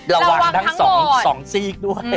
ระวังทั้งสองสองซีกด้วย